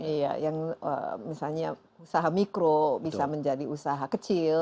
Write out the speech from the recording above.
iya yang misalnya usaha mikro bisa menjadi usaha kecil